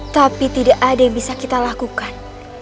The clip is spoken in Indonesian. tapi tidak ada yang bisa kita lakukan